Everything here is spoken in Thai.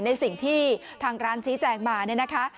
ในสิ่งที่ทางร้านชี้แจงมาเนี่ยนะคะ